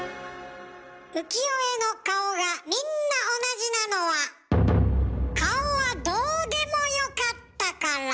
浮世絵の顔がみんな同じなのは顔はどうでもよかったから。